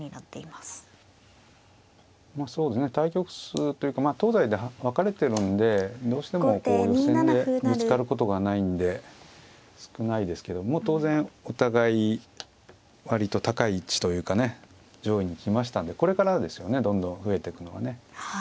まあそうですね対局数というか東西で分かれてるんでどうしても予選でぶつかることがないんで少ないですけどもう当然お互い割と高い位置というかね上位に来ましたんでこれからですよねどんどん増えてくのはね。